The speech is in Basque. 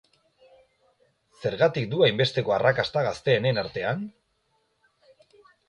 Zergatik du hainbesteko arrakasta gazteenen artean?